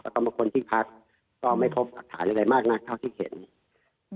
แล้วก็คนที่พักก็ไม่พบสักฐานอะไรมากน่ะเท่าที่เห็นอืม